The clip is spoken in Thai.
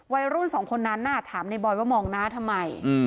วัยรุ่นสองคนนั้นถามในบอยว่ามองหน้าทำไม